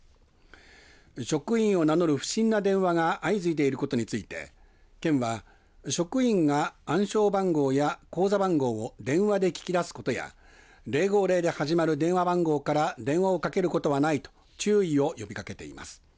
職員を名乗る不審な電話が相次いでいることについて県は職員が暗証番号や口座番号を電話で聞き出すことや０５０で始まる電話番号から電話をかけることはないと注意を呼びかけています。